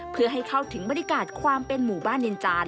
เพื่อให้เข้าถึงบรรยากาศความเป็นหมู่บ้านนินจาน